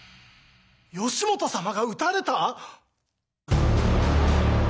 義元様が討たれた！？